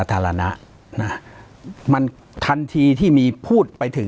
ปากกับภาคภูมิ